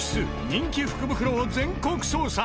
人気福袋を全国捜査！